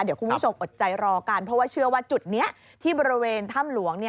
เดี๋ยวคุณผู้ชมอดใจรอกันเพราะว่าเชื่อว่าจุดนี้ที่บริเวณถ้ำหลวง